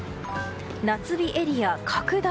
夏日エリア拡大。